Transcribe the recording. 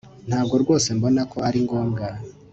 Ntabwo rwose mbona ko ari ngombwa